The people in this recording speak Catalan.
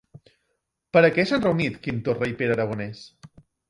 Per a què s'han reunit Quim Torra i Pere Aragonès?